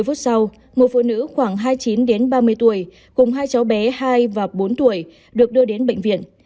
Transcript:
một mươi phút sau một phụ nữ khoảng hai mươi chín ba mươi tuổi cùng hai cháu bé hai và bốn tuổi được đưa đến bệnh viện